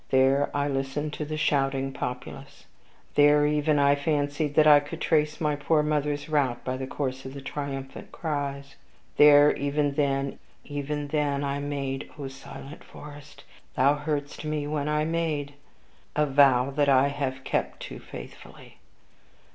There I listened to the shouting populace; there even I fancied that I could trace my poor mother's route by the course of the triumphant cries. There, even then, even then, I made O silent forest! thou heardst me when I made a vow that I have kept too faithfully.